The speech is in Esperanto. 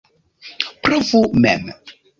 Provu mem!